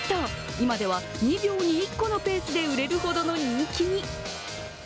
今では２秒に１個のペースで売れるほどの人気に。